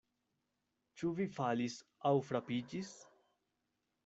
Ĉu vi falis aŭ frapiĝis?